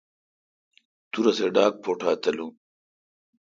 تو رسے ڈاگ پواٹا تلون۔